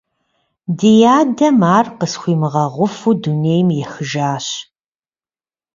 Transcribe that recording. Ди адэм ар къысхуимыгъэгъуфу дунейм ехыжащ.